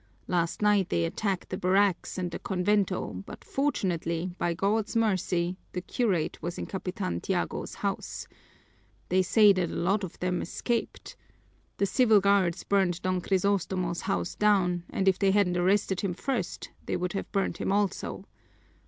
Last night they attacked the barracks and the convento, but fortunately, by God's mercy, the curate was in Capitan Tiago's house. They say that a lot of them escaped. The civil guards burned Don Crisostomo's house down, and if they hadn't arrested him first they would have burned him also."